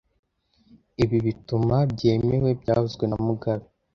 Ibi bituma byemewe byavuzwe na mugabe